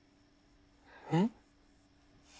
えっ？